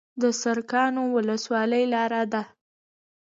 د سرکانو ولسوالۍ لاره ده